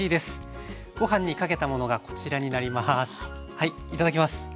はいいただきます。